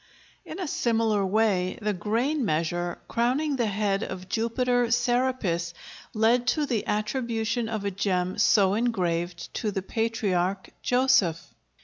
In a similar way the grain measure crowning the head of Jupiter Serapis led to the attribution of a gem so engraved to the patriarch Joseph.